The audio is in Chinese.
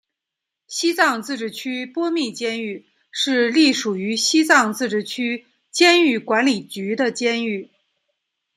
西藏自治区波密监狱是隶属于西藏自治区监狱管理局的监狱。